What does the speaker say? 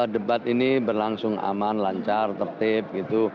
debat ini berlangsung aman lancar tertib gitu